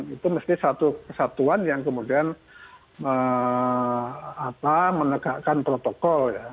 itu mesti satu kesatuan yang kemudian menegakkan protokol ya